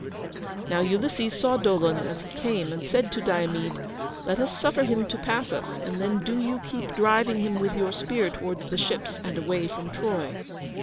Now Ulysses saw Dolon as he came, and said to Diomede, "Let us suffer him to pass us, and then do you keep driving him with your spear towards the ships, and away from Troy."